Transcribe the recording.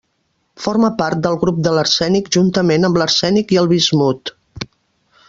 Forma part del grup de l'arsènic juntament amb l'arsènic i el bismut.